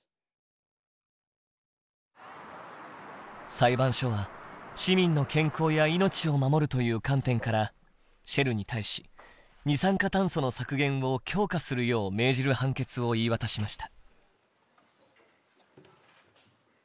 裁判所は市民の健康や命を守るという観点からシェルに対し二酸化炭素の削減を強化するよう命じる判決を言い渡しました。